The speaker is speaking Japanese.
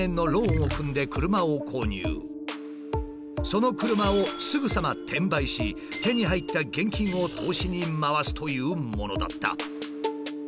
その車をすぐさま転売し手に入った現金を投資に回すというものだった。